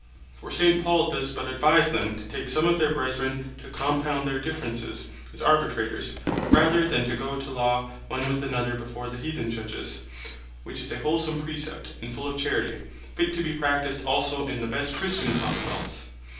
For St. Paul does but advise them, to take some of their Brethren to compound their differences, as Arbitrators, rather than to goe to law one with another before the Heathen Judges; which is a wholsome Precept, and full of Charity, fit to bee practised also in the Best Christian Common wealths.